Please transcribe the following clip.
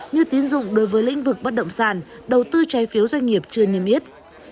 như tín dụng đối với lĩnh vực bất động sản đầu tư trái phiếu doanh nghiệp chưa niêm yết